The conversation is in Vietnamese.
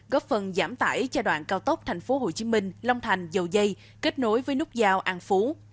góp phần giảm tải giai đoạn cao tốc tp hcm long thành dầu dây kết nối với nút giao an phú